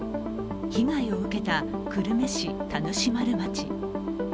被害を受けた久留米市田主丸町。